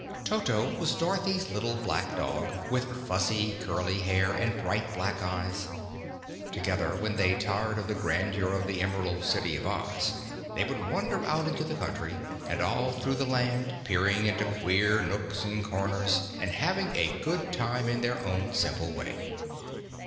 Toto was Dorothy's small black dog, with fuzzy, curly hair and bright black eyes. Together, when they tired of the grandeur of the Emerald City of Oz, they would wander out into the country and all through the land, peering into queer nooks and corners and having a good time in their own simple way.